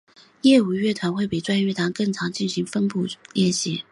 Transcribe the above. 业余乐团会比专业乐团更常进行分部练习。